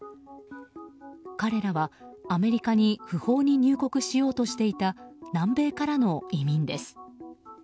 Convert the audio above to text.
彼らは、アメリカに不法に入国しようとしていた南米からの移民です。